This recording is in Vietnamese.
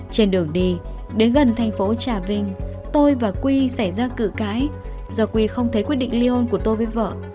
trên đường đi đến gần thành phố trà vinh tôi và quy xảy ra cự cãi do quy không thấy quyết định ly hôn của tôi với vợ